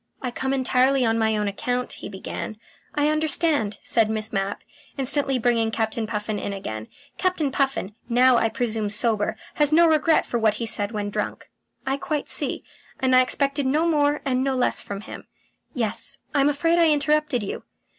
"I come entirely on my own account," he began. "I understand," said Miss Mapp, instantly bringing Captain Puffin in again. "Captain Puffin, now I presume sober, has no regret for what he said when drunk. I quite see, and I expected no more and no less from him. Yes. I am afraid I interrupted you."